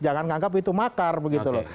jangan menganggap itu makar begitu loh